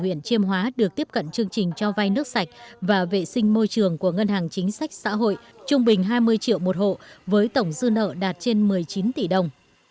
huyện chiêm hóa được tiếp cận chương trình cho vay nước sạch và vệ sinh môi trường của ngân hàng chính sách xã hội trung bình hai mươi triệu một hộ với tổng dư nợ đạt trên một mươi chín tỷ đồng